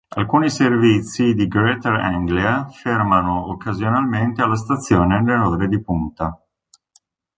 Alcuni servizi di Greater Anglia fermano occasionalmente alla stazione nelle ore di punta.